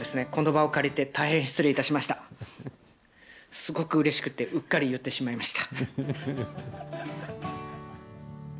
すごくうれしくてうっかり言ってしまいました。